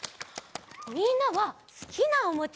みんなはすきなおもちゃある？